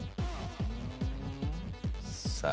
さあ